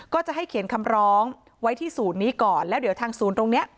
ก็จะให้เขียนคำร้องไว้ที่ศูนย์นี้ก่อนแล้วเดี๋ยวทางศูนย์ตรงเนี้ย